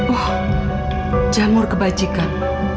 oh jamur kebajikan